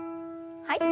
はい。